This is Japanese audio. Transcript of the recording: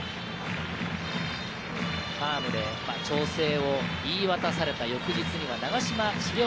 ファームで調整を言い渡された翌日には長嶋茂雄